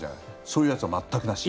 そういうやつは全くなし？